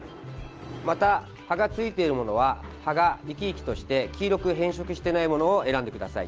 また葉がついているものは葉が生き生きとして黄色く変色してないものを選んでください。